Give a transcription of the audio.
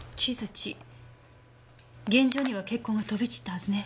現場には血痕が飛び散ったはずね。